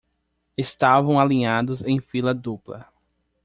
Estavam alinhados em fila dupla